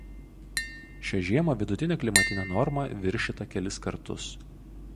Šią žiemą vidutinė klimatinė norma viršyta kelis kartus